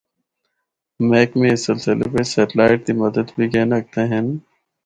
محکمے اس سلسلے بچ سیٹلائٹ دی مدد بھی گھن ہکدے ہن۔